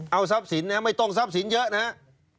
เอาทรัพย์สินนะไม่ต้องทรัพย์สินเยอะนะครับ